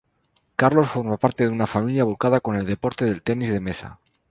Carlos forma parte de una familia volcada con el deporte del Tenis de mesa.